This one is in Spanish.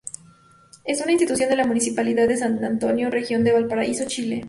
Es una institución de la Municipalidad de San Antonio, Región de Valparaíso, Chile.